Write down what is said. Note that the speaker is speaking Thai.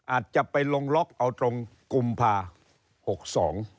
อาจจะไปลงล็อกเอาตรงกุมภาหกสอง